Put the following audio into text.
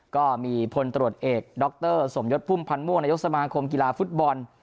ก็มีพลตรวจเอกดรสมยศพุ่มพันธ์ม่วงนายกสมาคมกีฬาฟุตบอล